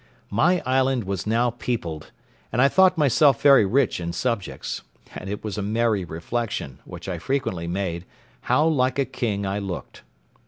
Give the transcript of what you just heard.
My island was now peopled, and I thought myself very rich in subjects; and it was a merry reflection, which I frequently made, how like a king I looked.